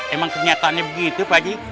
emang kenyataannya begitu pak ji